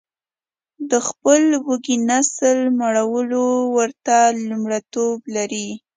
د خپل وږي نس مړول ورته لمړیتوب لري